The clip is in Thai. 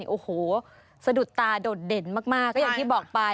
โอ้โหสะดุดตาโดดเด่นมากก็อย่างที่บอกไป